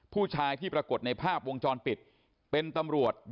ผู้ชายที่ปรากฏในภาพวงจรปิดเป็นตำรวจ